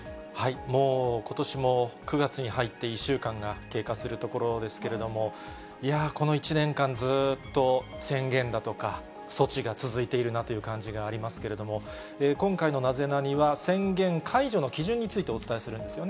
もうことしも９月に入って１週間が経過するところですけれども、この１年間、ずっと宣言だとか、措置が続いているなという感じがありますけれども、今回のナゼナニっ？は、宣言解除の基準についてお伝えするんですよね。